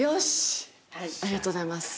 ありがとうございます。